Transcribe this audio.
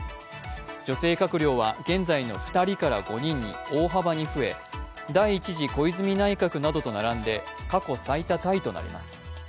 女性閣僚は現在の２人から５人に大幅に増え、第１次小泉内閣などと並んで、過去最多タイとなります。